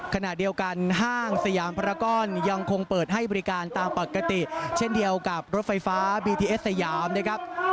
ขณะเดียวกันห้างสยามพระก้อนยังคงเปิดให้บริการตามปกติเช่นเดียวกับรถไฟฟ้าบีทีเอสสยามนะครับ